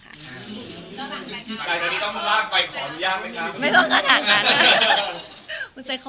แต่ตอนนี้ต้องลากไปขออนุญาตไหมคะ